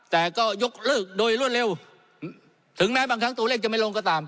แต่ก็ยกเลิกโดยรวดเร็วถึงแม้ตัวเลขจะไม่ลงกระต่ำ